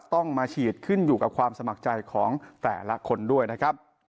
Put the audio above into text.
ต้องมาฉีดขึ้นอยู่กับความสมัครใจของแต่ละคนด้วยนะครับ